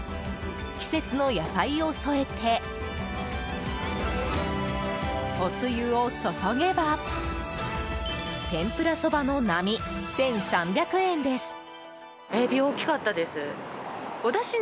季節の野菜を添えておつゆを注げば天ぷらそばの並、１３００円です。